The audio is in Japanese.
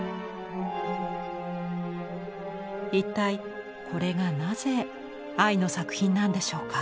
一体これがなぜ愛の作品なんでしょうか？